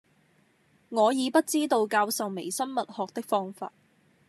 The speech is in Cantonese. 我已不知道教授微生物學的方法，